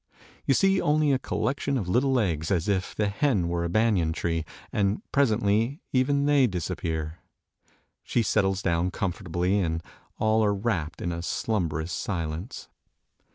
You see only a collection of little legs, as if the hen were a banyan tree, and presently even they disappear. She settles down comfortably and all are wrapped in a slumberous silence.